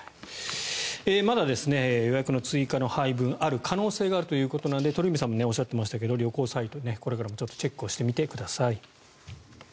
まだ予約の追加の配分がある可能性があるということなので鳥海さんもおっしゃってましたが旅行サイトチェックをしてみてください。